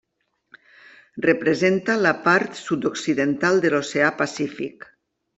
Representa la part sud-occidental de l'oceà Pacífic.